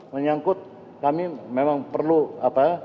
menyangkut kami memang perlu apa